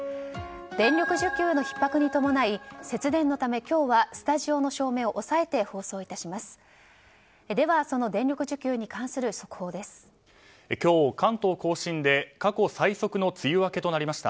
電力需給のひっ迫に伴い節電のため今日はスタジオの照明を抑えて放送いたします。